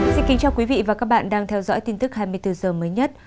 xin kính chào quý vị và các bạn đang theo dõi tin tức hai mươi bốn h mới nhất